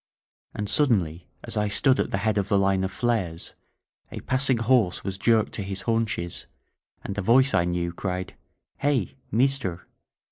And, suddenly, as I stood at the head of the line of flares, a passing horse was jerked to his haunches, and a voice I knew cried: "Hey! Meester!"